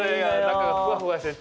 ふわふわしてて。